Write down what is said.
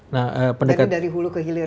jadi dari hulu ke hilir